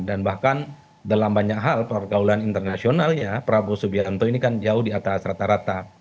dan bahkan dalam banyak hal perkaulan internasional ya prabowo subianto ini kan jauh di atas rata rata